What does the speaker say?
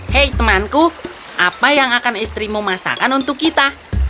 hei temanku apa yang akan istrimu masakan untuk kita